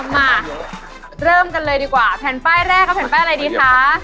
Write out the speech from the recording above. มาเริ่มกันเลยดีกว่าแผ่นป้ายแรกครับแผ่นป้ายอะไรดีคะ